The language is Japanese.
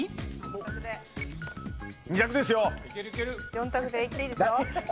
４択でいっていいですよ。